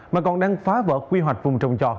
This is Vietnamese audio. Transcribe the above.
mà còn đang phá vỡ quy hoạch vùng trồng trọt